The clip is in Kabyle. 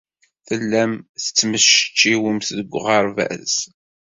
Tellam tettmecčiwem deg uɣerbaz?